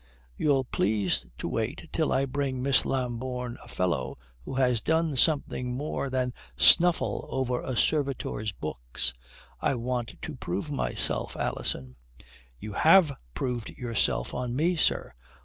"You'll please to wait till I bring Miss Lambourne a fellow who has done something more than snuffle over a servitor's books. I want to prove myself, Alison." "You have proved yourself on me, sir.